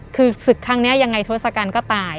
คือศึกครั้งนี้ยังไงทศกัณฐ์ก็ตาย